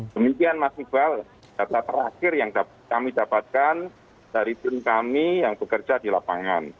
demikian mas iqbal data terakhir yang kami dapatkan dari tim kami yang bekerja di lapangan